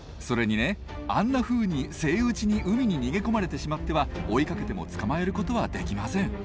それにねあんなふうにセイウチに海に逃げ込まれてしまっては追いかけても捕まえることはできません。